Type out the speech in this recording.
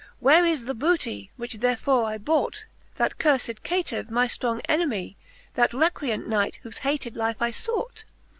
Where is the bootie, which therefore I bought, That curfed caytive, my ftrong enemy. That recreant Knight, whofe hated life I fought?